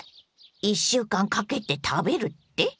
１週間かけて食べるって？